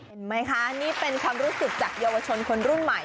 เห็นไหมคะนี่เป็นความรู้สึกจากเยาวชนคนรุ่นใหม่